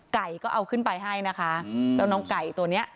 ไก่ก็เอาขึ้นไปให้นะคะเจ้าน้องไก่ตัวเนี้ย